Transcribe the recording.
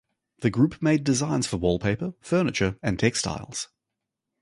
The group made designs for wallpaper, furniture, and textiles.